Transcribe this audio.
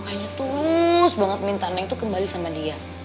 kayaknya tuh banget minta neng itu kembali sama dia